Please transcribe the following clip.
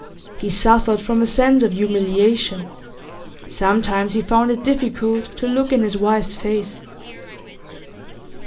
He suffered from a sense of humiliation; sometimes he found it difficult to look in his wife's face.